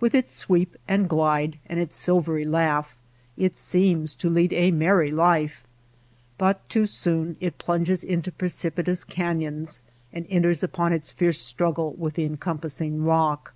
With its sweep and glide and its silvery laugh it seems to lead a merry life. But too soon it plunges into precipitous canyons and enters upon its fierce struggle with the encompassing rock.